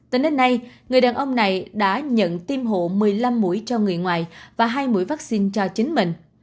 từ nơi này người đàn ông này đã nhận tiêm hộ một mươi năm mũi cho người ngoài và hai mũi vaccine cho chính mình